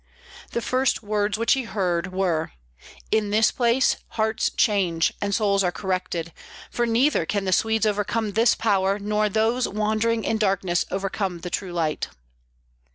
The first words which he heard were: "In this place hearts change and souls are corrected, for neither can the Swedes overcome this power, nor those wandering in darkness overcome the true light!"